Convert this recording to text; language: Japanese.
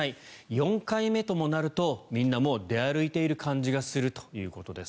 ４回目ともなるとみんなもう出歩いている感じがするということです。